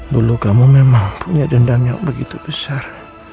dulu kamu memang punya dendam yang begitu besar